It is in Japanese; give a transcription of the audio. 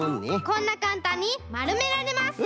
こんなかんたんにまるめられます！